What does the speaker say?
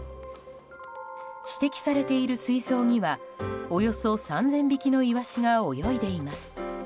指摘されている水槽にはおよそ３０００匹のイワシが泳いでいます。